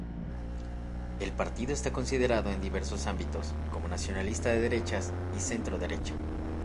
El partido está considerado en diversos ámbitos como nacionalista de derechas, y centro-derecha.